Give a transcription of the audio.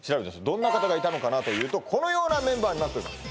どんな方がいたのかなというとこのようなメンバーになっております